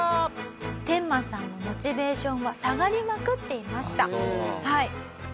テンマさんのモチベーションは下がりまくっていました。